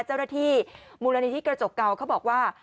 เจ้าหน้าที่มูลนิธิกระจกเก่าเขาบอกว่า